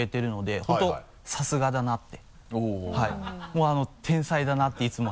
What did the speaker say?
もう天才だなっていつもはい。